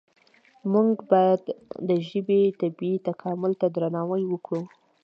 موږ باید د ژبې طبیعي تکامل ته درناوی وکړو.